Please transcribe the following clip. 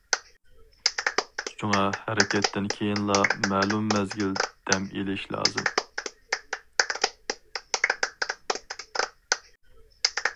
شۇڭا ھەرىكەتتىن كېيىنلا مەلۇم مەزگىل دەم ئېلىش لازىم.